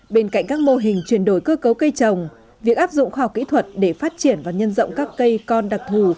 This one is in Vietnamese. bên cạnh các mô hình chuyển đổi cơ cấu cây trồng việc áp dụng khoa học kỹ thuật để phát triển và nhân rộng các cây con đặc thù